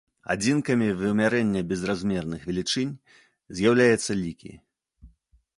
Адзінкамі вымярэння безразмерных велічынь з'яўляюцца лікі.